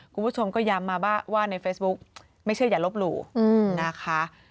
คุณผู้ชมก็ย้ำมาว่าในเฟซบุ๊กไม่เชื่ออย่าลบหลู่นะคะ